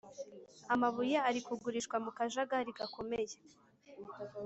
amabuye arikugurishwa mu kajagari gakomeye